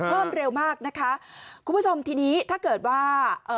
เพิ่มเร็วมากนะคะคุณผู้ชมทีนี้ถ้าเกิดว่าเอ่อ